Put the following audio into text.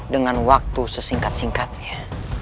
dengan waktu sesingkat singkatnya